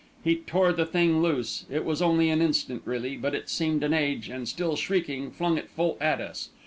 He tore the thing loose it was only an instant, really, but it seemed an age and, still shrieking, flung it full at us.